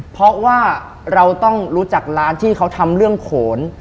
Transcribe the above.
เพราะว่าเราต้องรู้จักร้านที่เขาทำเรื่องโขน